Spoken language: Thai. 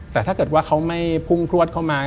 แต่ถ้าเค้าไม่พุ่งพรวดเค้ามา